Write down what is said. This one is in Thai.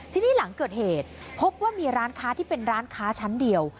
ทีนี้หลังเกิดเหตุพบว่ามีร้านค้าที่เป็นร้านค้าชั้นเดียว